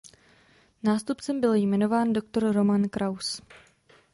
Nástupcem byl jmenován doktor Roman Kraus.